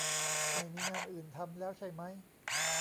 ไม่มีงานอื่นทำแล้วใช่มั้ย